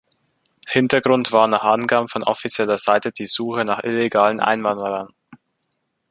Hintergrund war nach Angaben von offizieller Seite die Suche nach illegalen Einwanderern.